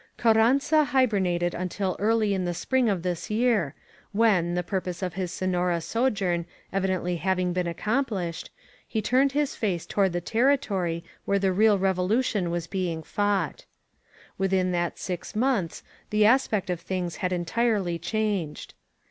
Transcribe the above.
Carranza hibernated until early in the spring of this year, when, the purpose of his Sonora sojourn eridently having been accomplished, he turned his face toward the territory where the real Rerohition was being f ooj^t. Within that six months the aspect of things had entirely changed.